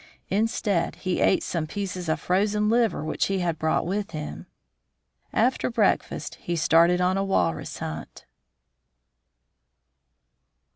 Instead he ate some pieces of frozen liver which he had brought with him. After breakfast he started on a walrus hunt.